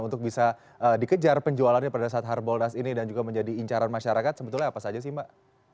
untuk bisa dikejar penjualannya pada saat harbolnas ini dan juga menjadi incaran masyarakat sebetulnya apa saja sih mbak